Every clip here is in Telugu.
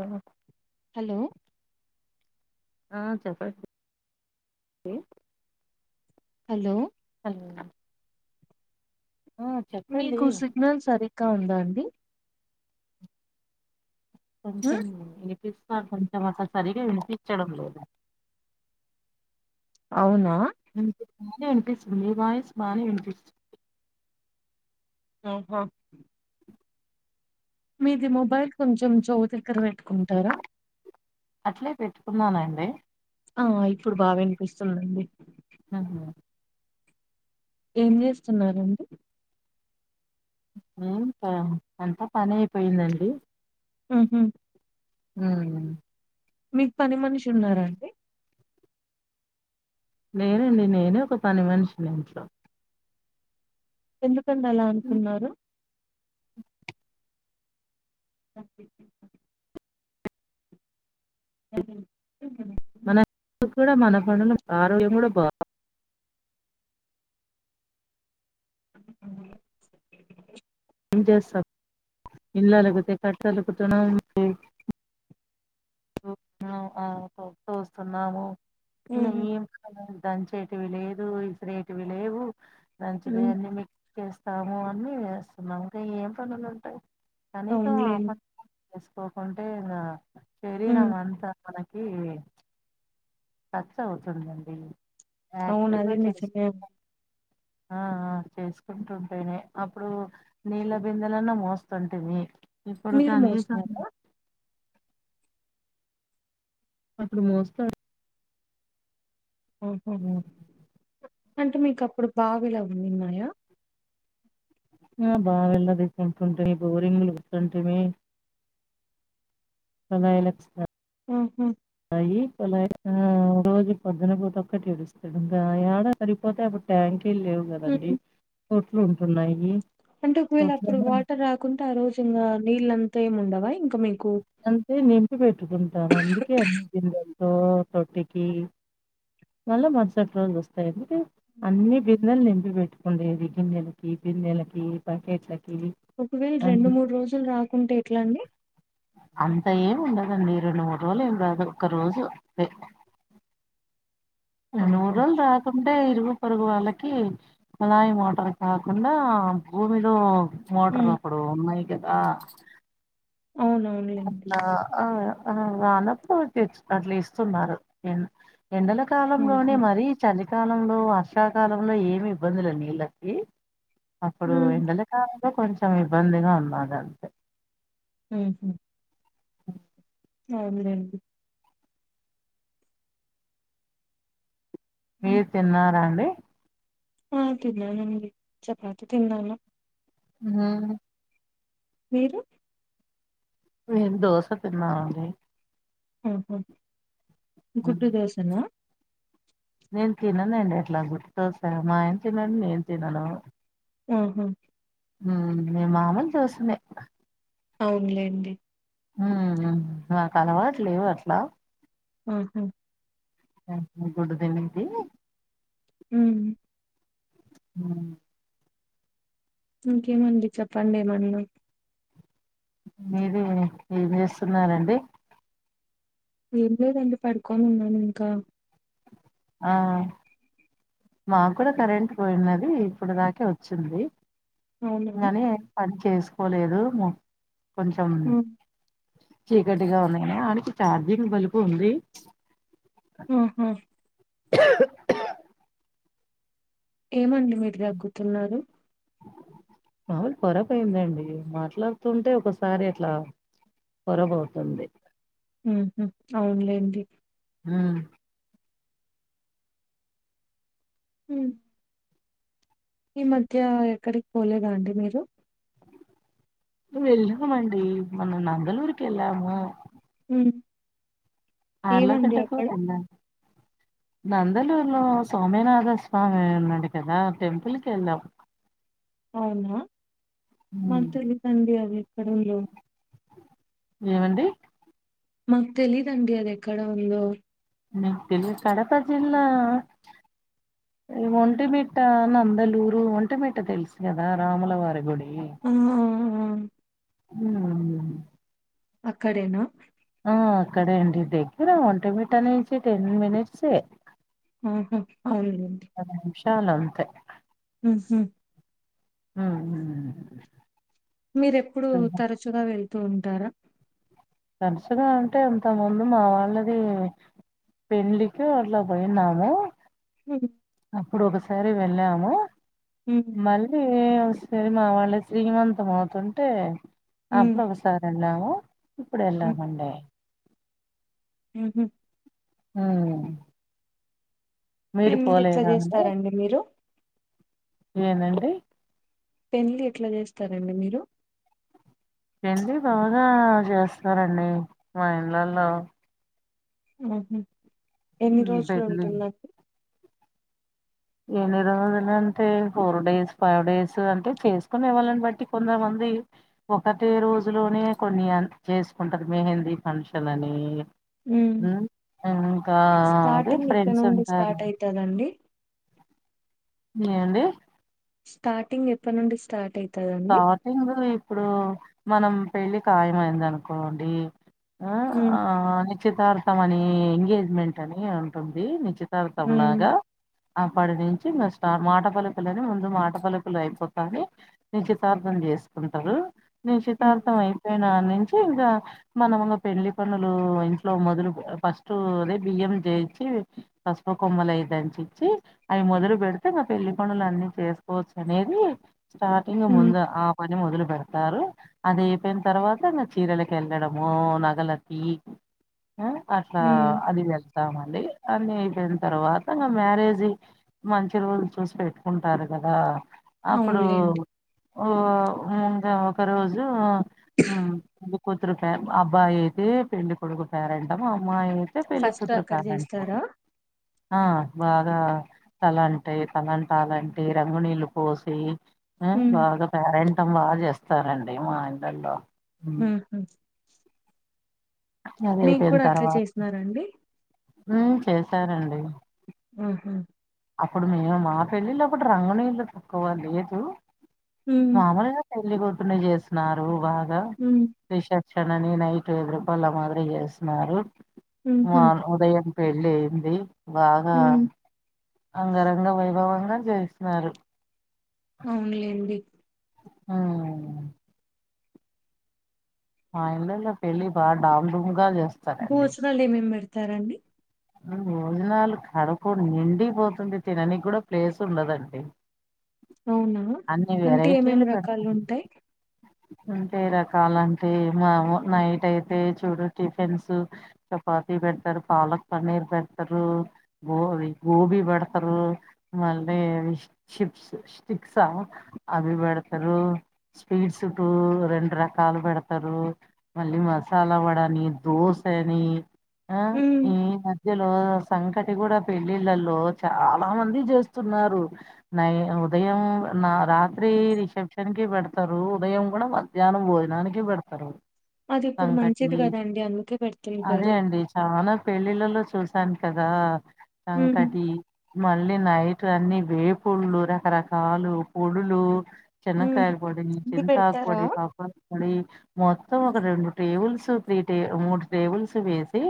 ఆ హలో ఆ చెప్పండి హలో హల్ చెప్పండి మీకు సిగ్నల్ సరిగ్గా ఉందా అండి కొంచెం వినిపిస్తది కొంచెం అట్లా సరిగా వినిపిస్త చెడం లేదం అవునా వినిపిస్తుంది మీ వాయిస్ బానే వినిపిస ఆహ మీది మొబైల్ కొంచెం చేవు దగ్గర పెట్టుకుంటారా డి ఆ ఇప్పుడు బా వినిపిస్తుందండి ఆహా ఏం జేస్తున్నారండి ఏ అంతా పని అయిపోయిందండి ఊహు హ మీకు పని మనిషి ఉన్నారా అండి లేరండి నేనే ఒక పని మనిషిని ఇంట్లో ఎందు కండి అలా అంటున్నారు ే అ మన హ కూడా మన పనులు ఆరోగ్యం కూడా బాగుంది ఏం చేస్తాం ఇల్లలుకితే కట్టలుకు త తూస్తున్నాము న ఉహు ఏ కా దంచేటివి లేదు ఇసిరేటివి లేవు ఉ ఫంచది ఎన్ని మీ చేస్తాము అని వేస్తున్నాంంకా ఏం పనులు ఉంటాయి కనీసం ఆ అవునులేండి ప చేసుకోకుంటే నా ఉ శరీరామంతా కీ ఖర్చు అవుతుందండి యాక్టివ్గా అవునదేం నిజమే చేసు ఆ చేసుకుంటుంటేనే అప్పుడు నీళ్ళ బిందెలన్నా మోస్తుంటిమి ఇప్పుడు మీరు కనీసం మోస్తున్నారా అప్పుడు మోస్తా ఊహు అంటే మీకప్పుడు బావిలవున్నిన్నాయా ఆ బావిళ్ళదిసుకుంటుంటాయి బోరింగ్లు వస్తుంటాయి సదాలక్ష్ ఊహు కుళాయిక రోజు పొద్దున పూట ఒక్కటి ఇడుస్తాడు ఇంగ యాడ సరిపోతే అప్పుడు ట్యాంక్ ఇల్ లేవు ఉ గదండి లు ఉంటున్నాయి అంటే ఒక వీళ్ళ అప్పుడు తొట్లలో వాటర్ రాకుంటే ఆ రోజు ఇంగా నీల్ అంతా ముండవ అంతే నింపి పెట్టుకుంటాం అందుకే అన్ని తింద ఒ తొట్టికి మళ్ళా మరుసటి రోజు వస్తాయి ఎందుకే గిన్నెలు నింపి పెట్టుకుండేది గిన్నెలకి బిన్నెలకి బ్యాకెట్లకి ఒకవేళ రెండు మూడు రోజులు రాకుంటే ఎట్లండి అంత ఏం ఉండదండి రెండు మూడు రోజులు ఏమి రాదు ఒక రోజు అంతే మూడు ఆహా రోజులు రాకుంటే ఇరువు పరుగు వాళ్ళకి మదాయి మోటార్ కాకుండా భూమిలో మోటర్లు ఉమ్ అప్పుడు ఉన్నాయి కదా అవునవునులేండి అ ఆ ఆ అనప్పుడు తె అట్లా ఇస్తున్నారు న ఎండల కాలంలోనే ఉహు మరీ చలి కాలంలో వర్షాకాలంలో ఏమి ఇబ్బందులు నీళ్ళకి అప్పుడు ఉమ్ ఎండల కాల కొంచెం ఇబ్బందిగా ఉన్నది అంతే మ్మ్ హ్మ్ అవునండి మీరు తిన్నారాండి ఆ తినానండి చపాతి తిన్నాను హ్మ మీరు నేను దోస తినానండి హ్మ ఉమ్, గుడ్డు దోశన నేను తిననుండి ఎట్లా గుర్తుకొస్తా మా ఆయన తినడు నేను తినను మ్మ్ హ్మ్ మేము మామూలు దోశలే అవునులేండి ఉ మాకు అలవాటు లేవు అట్లా హ్మ గుడ్ ది అనేది మ్మ్ మ్మ్ ఇంకేమండి చెప్పండి ఏమన్నా మీర ఏం చేస్తున్నారంండి ఏం లేదండి పడుకొని ఉన్నాను ఇంకా ఆ మా కూడా కరెంట్ పోయినది ఇప్పుడు దాకే వచ్చింది అవునా నని పడి చేసుకోలేదు కొంచెం ఉమ్ చీకటిగా ఉంది అ చార్జింగ్ బల్బ ఉంది ఆహా ఏమండి మీరు దగ్గుతున్నారు మామలు పొరబ్యొయిందండి మాట్లాడుతుంటే ఒకసారి అట్లా పరబ్ పోతుంది ఊ హఅవునులేండి హ హ ఈ మధ్య ఎక్కడికి పోలేదా అండి మీరు ను వెళ్ళమండి మన్న నంగళూరుకి వెళ్ళము అ ఆరళకట్టకు అంద నందలూరులో సోమనాథ స్వామి ఉన్నాడు కదా టెంపుల్కి వెళ్ళాం అవునా ఉమ్. మత్త ఇది సండీ అ కడంలొ ఏమండి మాకు తెలీదండి అది ఎక్కడ ఉందో న తెల్గు కడప జిల్లా ఈ ఒంటి మి ట్ట నందలూరు ఒంటమిట తెలుసు కదా రాములవారి గుడి ఆ ఆ హ అక్కడేనా అక్కడే అండి దగ్గర ఒంటమిట్నేంచి టెన్ మినిట్సే ఆహా అవునండి చాన అంతే హ హ ఆ మీర ఎప్పుడు తరచుగా వెళ్త తంటారా తరచుగా అంటే ఇంత ముందు మా వాళ్ళది పెళ్లికి అట్లా పోయినాము హ ఇప్పుడు ఒకసారి వెళ్ళాము హ్మ్. మళ్ళీ ఏ వస్తే మా వాళ్ళ శ్రీమంతం అవుతుంటే హ్మ్. అప్పుడు ఒక్కసారి అండి నావు ఇప్పుడే అలా పండే హ్మ్ హు హ్మ్ మీరు పెళ్లి ఎట్లా పోలేదా అండి జేస్తారండి మీరు? ఏనండి పెండిలి ఎట్లా చేస్తారండి మీరు రంది బా ఆ చేస్తారండి మా ఇండ్లల్లో హ్మ్ హు ఎన్ని రోజులు పెళ్లి ఉంటుంది ఎన్ని రోజులు అంటే ఫోర్ డేస్ ఫైవ్ డేస్ అంటే చేసుకునే వాళ్ళని బట్టి కొంతమంది ఒకటె రోజులోనే కొన్ని అన్ చేసుకుంటారు మెహందీ ఫంక్షన్ అని హ్మ్ ఇంకా అదే స్టార్టింగ్ ఎక్కడ ఫ్రెండ్స్ నుండి ఉంటారు స్టార్ట్ అయితదండి? ఏ అండి స్టార్టింగ్ ఎప్పటి నుండి స్టార్ట్ అయి కాబట్టి [unintelligible] ఇప్పుడు మనం పెళ్లి ఖాయం అయింది అనుకోండి ఆ ఉమ్ ఆ నిశ్చితార్థం అని ఎంగేజ్మెంట్ అని ఉంటుంది నిశ్చి తర్తం ఉమ్ లాగా అప్పటి నుంచి మీ స్టార్ మాట పలుకులని ముందు మాట పలుకులు అయిపోతాయి నిశ్చితార్థం చేసుకుంటారు ఉమ్ నిశ్చితార్థం అయిపోయిన ని నుంచు ఇంగ మనము ఇంగ పెళ్లి పనులు ఇంట్లో మొదలు పస్టు నే బియ్యం చేచి పసుపు కొమ్మలు దంచిచ్చి మొదలు పెడితే పెళ్లి పనులు అ చేసుకోవచ్చు అనేది స్ట కింగ ఉమ్ ముందా అప్ మొదలు పెడతారు అది అయిపోయిన తర్వాత ఇంగ చీరలకి వెళ్ళడము నగలకి ఆ అట్లా ఉమ్, అది వెళ్తామ్ అండి అన్ని అయిపోయిన తర్వాత మ్యారేజీ మంచి రోజులు చూసి పెట్టుకుంటారు కదా అప్పుడు అవునులేండి ఓ ముకా ఒక రోజు మ్మ్ హు కూతురు క అబ్బాయి అయితే పెండ్లి కొడుకు ఫారంటాం అమ్మాయి అయి ఫస్ట్ అక్కడ చేస్తారా ఆ బాగా తలంటాయి తలంటాలంటే రంగు నీళ్లు పోసి ఆ ఉమ్, బాగా పేరం మం బాగా చేస్తారండి మా ఇండ్లల్లో ఉహుం అది మీకు అయిపోయిన కూడా అట్లా తర్వాత చేసినారండి ఉమ్ చేశారండి ఆహా అప్పుడు మేము మా పెళ్ళిలో కూడా రంగు నీళ్ళు తక్కువ లేదు ఉమ్ మాములే పెళ్లి కొడుకునే చేస్తున్నారు బాగా ఉమ్, ర విష క్షణాని నైట్ ఐదు రూపాల లాభం మాదిరి చేస్తున్నారు ఉహు మా ఉదయం పెళ్ళి అయింది బాగా ఉమ్ అంగ రంగ వైభవంగా రన్ చేస్తున్నారు అవునులేండి ఆ ఆ ఇళ్లలో పెళ్లి బాగా డాం డుమ్ గా చేస్తారు భోజనాలే మేం పెడతాం చెస్తారండి భోజనాలు కడుపు నిండి పోతుంది తిననికి కూడా ప్లేస్ ఉండదండి అవునా అన్ని అంటే ఏమేమి వెరైటీలు పెడతా రకాలు ఉంటాయి అంటే రకాలంటే మా నైట్ అయితే చూడు టిఫిన్స్ చపాతీ పెడతారు పాలక్ పన్నీర్ పెడతారు గో గోబీ పెడతారు మళ్ళీ చిప్స్ స్టిక్సా ఆ అవి పెడతారు స్వీట్స్ టూ రెండ ర కాలు పెడతారు మళ్ళీ మసాలా వడాని రోశ ఎని అ ఉమ్ ఈ సంకటి కూడా పెళ్ళిళ్ళలో చాల చాలా మంది చేస్తున్నారు నై ఉదయం నా రాత్రి రిసెప్షన్ కి పెడత స్తరు ఉదయం కూడా వా మధ్యానం భోజనానికి పెడతారు అది ఇప్పుడు సంకటి మంచిది కదండి అందుకే అదే పెడుతుంటారు అండి చాలా పెళ్ళిళ్ళలో చూశాను కదా ఉమ్ సంకటి మళ్ళి నైట్ ఇక్కడ అన్ని వేపుళ్లు రకరకాలు పొడులు ఉమ్ చెన్నకాయల పోడి అన్ని చింతాకు పెడతారా పోడి హాక్ బాగా మడి మొత్తం ఒక రెండు టేబుల్స్ త్రీ టే మూడు టేబుల్స్ వేసి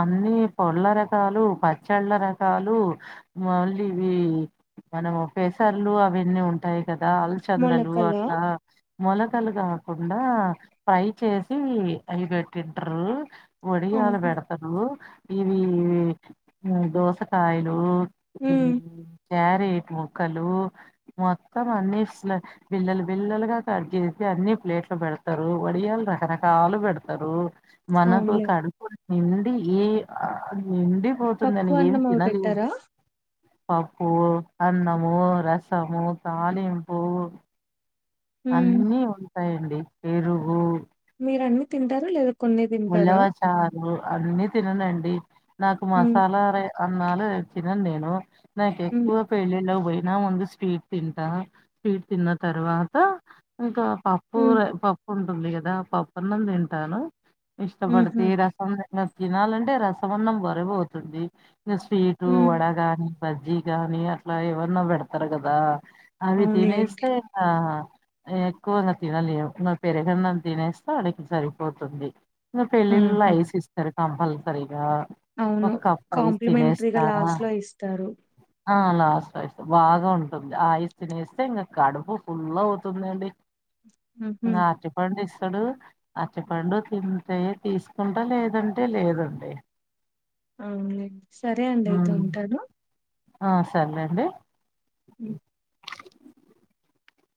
అన్ని పొళ్ళ రకాలు, పచ్చళ్ళ రకాలు, మళ్ళీ ఇవి మనము పెసర్లు అవన్నీ ఉంటాయి. కదా అల్చందలు మొలకలా అట్లా మొలకలు కాకుండా ఫ్రై చేసి అవి పెట్టింటారు ఒడియాల ఆహా బెడతరు ఇవి దోసకాయలు ఉమ్ క్యారెట్ ముక్కలు మొత్తం అన్ని స్ల బిల్లలు బిల్లలుగా కట్ చేసి, అన్ని ప్లేట్లు పెడతారు. వడియాలు రకరకా లు పెడతారు. మనకు అవునులే కడకున్ ఎండి ఈ ఆ పప్పు నిండిపోతుందని ఏం అన్నం అవి తినలేదు పెట్టారా పప్పుూ అన్నము రసము తాలింపూ హ్మ్ అన్నీ ఉన్ వస్తాయండి పెరుగు మీరు అన్నీ తింటార లేద కొన్నే తింటారా అన్నీ తిననండి నాకు హ్మ్ మసాలా ర అన్నాలు తినన్ నేను నాకు హ్మ్ ఎక్కువ పెళ్లికి బోయ్ నా వంద స్వీట్ తింటా స్వీట్ తిన్న తర్వాత ఇంకా పప్పు కూర హ్మ్ పప్పు ఉంటుంది కదా పప్పన్నం తింటాను ఇష్టపడితే ఊహూ రసం తినన్ తినాలంటే రసం అన్నం బరువు అవుతుంది స్వీటు హ్మ్ వడగాని బజ్జీ కాని అట్లా ఏవన్నా పెడతారు కదా అవి తినే అవునులేండి స్తే ఇంకానా ఎక్కువగా తినలేము ఇగ పెరగన్నం ని తినేస్తే ఆడికి సరిపోతుంది. ఇగ పెళ్ళిళ్ళలో ఊహూ ఐస్ ఇస్తరు కంపల్సరీగా ఒక అవును కప్ ఐస్ తినేస్తా కాంప్లిమెంట్రీగా లాస్ట్ లో ఇస్తారు ఆ లాస్ట్ ఐస్ బాగా ఉంటుంది. ఆ ఐస్ తినే ఏస్తే ఇకా కడుపు ఫుల్ అవుతుంది అండి. ఊహూ నా చెప్పండి అతడు అట్టిపండు తింటే తీసుకుంటా లేదంటే లేదండి అవునండి సరే అండి అయితే ఉమ్ ఉంటాను ఆ సర్లేండి ఉ